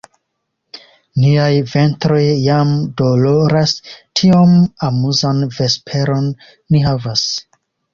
Niaj ventroj jam doloras; tiom amuzan vesperon ni havas!